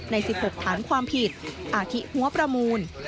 ใน๑๖ฐานความผิดอาทิหัวประมูล